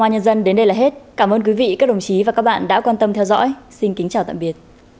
hãy đăng ký kênh để ủng hộ kênh của mình nhé